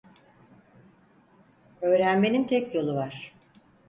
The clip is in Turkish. Öğrenmenin tek yolu var.